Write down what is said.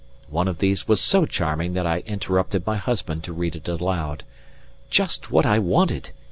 One of these was so charming that I interrupted my husband to read it aloud. "Just what I wanted!"